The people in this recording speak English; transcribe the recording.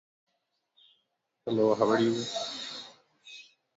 He was buried in Chattanooga's National Cemetery.